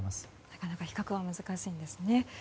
なかなか比較は難しいんですね。